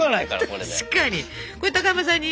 確かに。